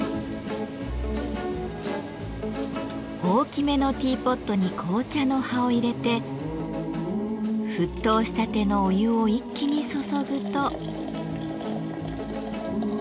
大きめのティーポットに紅茶の葉を入れて沸騰したてのお湯を一気に注ぐと。